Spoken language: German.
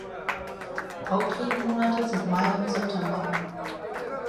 Haupt-Regenmonate sind Mai und September.